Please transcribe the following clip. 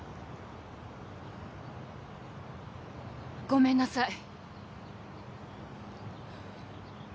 ごめんなさい。